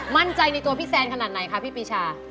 มั่นใจในตัวพี่แซนขนาดไหนคะพี่ปีชา